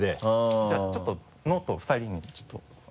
じゃあちょっとノートを２人にもちょっと。